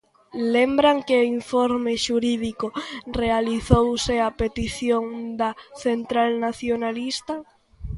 Lembran que o informe xurídico realizouse a petición da central nacionalista.